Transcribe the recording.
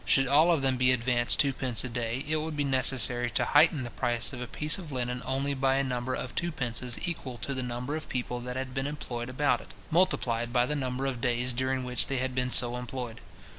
should all of them be advanced twopence a day, it would be necessary to heighten the price of a piece of linen only by a number of twopences equal to the number of people that had been employed about it, multiplied by the number of days during which they had been so employed.